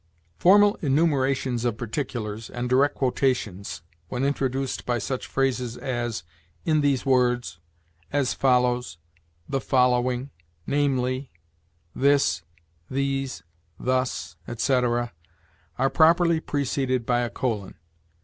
"'" Formal enumerations of particulars, and direct quotations, when introduced by such phrases as in these words, as follows, the following, namely, this, these, thus, etc., are properly preceded by a colon.